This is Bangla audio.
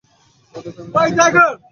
আমাদের ফ্যামিলি ট্রি কোথায়?